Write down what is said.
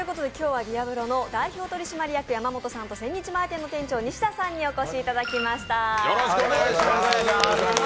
今日はＤＥＡＲＢＲＯＳ．の代表取締役の山本さんと千日前店店長の西田さんにお越しいただきました。